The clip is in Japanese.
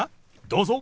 どうぞ。